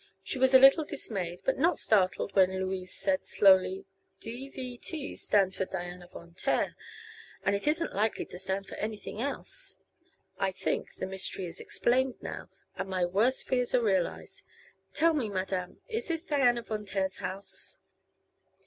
She was a little dismayed but not startled when Louise said, slowly: "'D.v.T.' stands for Diana Von Taer. And it isn't likely to stand for anything else. I think the mystery is explained, now, and my worst fears are realized. Tell me, Madame, is this Diana Von Taer's house?"